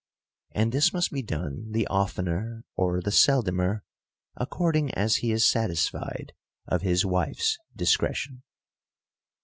And this must be done the oftener or the sel domer, according; as he is satisfied of his wife's discretion.